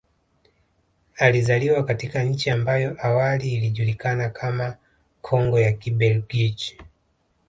Alizaliwa katika nchi ambayo awali ilijukana kama Kongo ya Kibelgiji